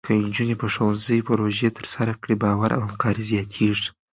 که نجونې په ښوونځي کې پروژې ترسره کړي، باور او همکاري زیاتېږي.